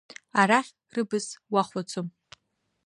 Арахь рыбз уахәаӡом.